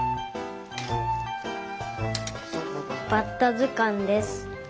バッタずかんです。